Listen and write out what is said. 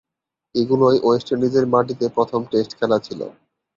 এগুলোই ওয়েস্ট ইন্ডিজের মাটিতে প্রথম টেস্ট খেলা ছিল।